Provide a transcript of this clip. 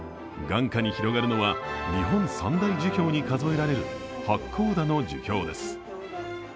眼下に広がるのは日本三大樹氷に数えられる八甲田の樹氷です。